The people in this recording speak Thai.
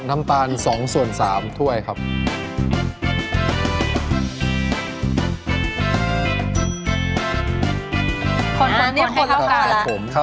เข้ากันแล้วมัน่อยต่อค่ะ